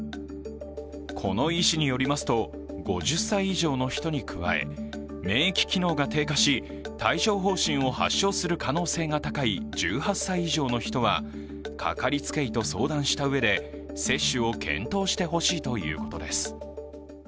この医師によりますと５０歳以上の人に加え、免疫機能が低下し、帯状ほう疹を発症する可能性が高い１８歳以上の人は、かかりつけ医と相談したうえで接種を検討してほしいということです。